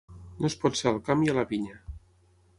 No es pot ser al camp i a la vinya.